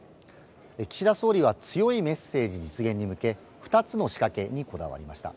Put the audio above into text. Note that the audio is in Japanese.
岸田総理は強いメッセージ実現に向け、２つの仕掛けにこだわりました。